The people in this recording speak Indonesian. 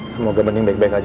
semoga mending baik baik aja